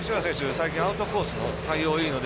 最近、アウトコースの対応がいいので。